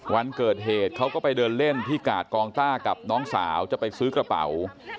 วันเกิดเหตุเขาก็ไปเดินเล่นที่กาดกองต้ากับน้องสาวจะไปซื้อกระเป๋า